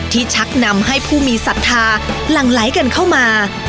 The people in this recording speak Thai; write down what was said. ชักนำให้ผู้มีศรัทธาหลั่งไหลกันเข้ามา